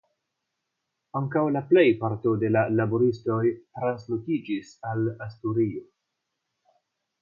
Ankaŭ la plej parto de la laboristoj translokiĝis al Asturio.